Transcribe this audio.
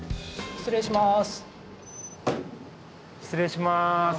失礼します。